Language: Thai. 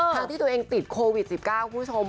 ทั้งที่ตัวเองติดโควิด๑๙คุณผู้ชม